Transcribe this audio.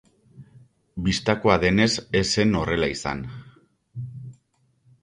Bistakoa denez, ez zen horrela izan.